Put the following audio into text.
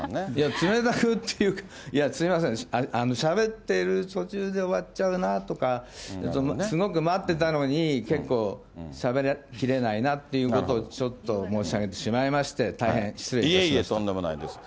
冷たくっていうか、すみません、しゃべってる途中で終わっちゃうなとか、すごく待ってたのに、結構しゃべりきれないなっていうことをちょっと申し上げてしまいいえいえ、とんでもないです。